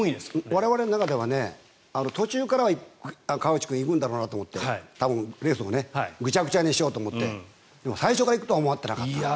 我々の中では途中から川内君行くんだろうなと思って多分、レースをぐちゃぐちゃにしようと思ってでも、最初から行くとは思っていなかった。